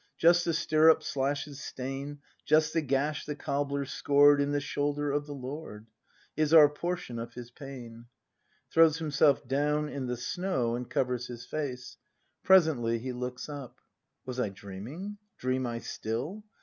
Just the stirrup slash's stain. Just the gash the cobbler scored In the shoulder of the Lord, Is our portion of His pain! [Throws himself doivn in the snow and covers his face; presently he looks up.] Was I dreaming! Dream I still?